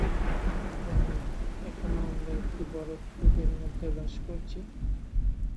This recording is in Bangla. আপনি কি জানেন, এখনও আমরা একটি বরফ যুগের মাঝে বাস করছি?